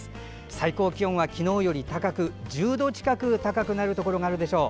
最高気温は昨日より高く１０度近く高くなるところがあるでしょう。